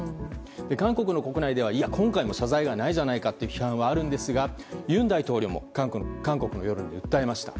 韓国の国内では今回も謝罪がないじゃないかと批判はあるんですが尹大統領も韓国の世論に訴えました。